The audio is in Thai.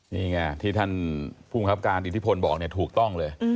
นี่ไงที่ท่านภูมิครับการอิทธิพลบอกเนี่ยถูกต้องเลย